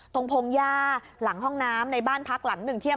พงหญ้าหลังห้องน้ำในบ้านพักหลังหนึ่งที่